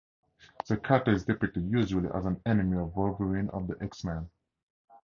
The character is depicted usually as an enemy of Wolverine of the X-Men.